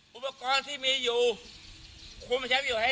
ว่าอันนี้มันคืออะไร